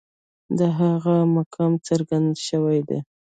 د هغه مقام څرګند شوی دی.